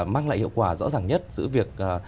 mang lại hiệu quả rõ ràng nhất giữa việc